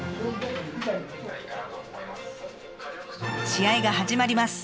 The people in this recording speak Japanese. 試合が始まります。